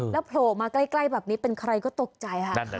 โผล่มาใกล้แบบนี้เป็นใครก็ตกใจค่ะ